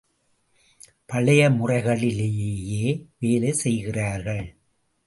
பழைய முறைகளிலேயே வேலை செய்கிறார்கள்!